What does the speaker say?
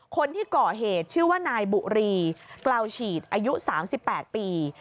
คนที่ก่อเหตุชื่อว่านายบุรีเกลาฉีดอายุ๓๘ปี